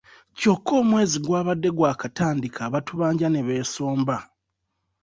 Kyokka omwezi gw'abadde gwakatandika abatubanja ne beesomba.